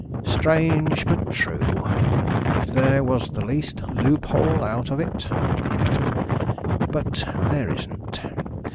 Strange, but true. If there was the least loophole out of it," he muttered. "But there isn't.